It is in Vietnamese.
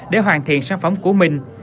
để hoàn thiện sản phẩm của mình